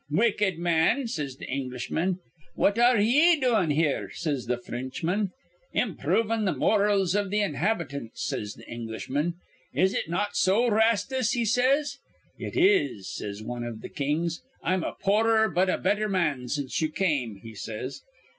'Wicked man,' says th' Englishman. 'What ar re ye doin' here?' says the Fr rinchman. 'Improvin' the morals iv th' inhabitants,' says th' Englishman. 'Is it not so, Rastus?' he says. 'It is,' says wan iv th' kings. 'I'm a poorer but a betther man since ye came,' he says.